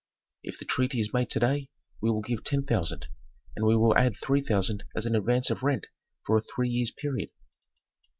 "If the treaty is made to day we will give ten thousand, and we will add three thousand as an advance of rent for a three years' period."